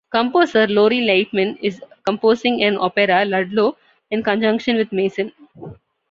Composer Lori Laitman is composing an opera "Ludlow," in conjunction with Mason.